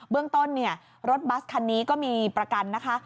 เบื้องต้นรถบัสคันนี้ก็มีประกันนะคะ